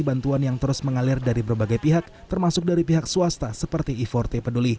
bantuan yang terus mengalir dari berbagai pihak termasuk dari pihak swasta seperti i empat t peduli